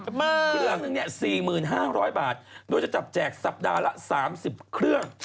เครื่องนึง๔๕๐๐บาทโดยจะจับแจกสัปดาห์ละ๓๐เครื่อง